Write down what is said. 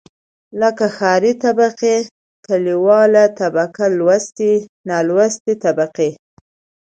لکه ښاري طبقې، کليواله طبقه لوستې، نالوستې طبقې.